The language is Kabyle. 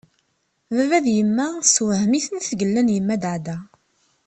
Baba d yemma tessewhem-iten tgella n yemma Daɛda.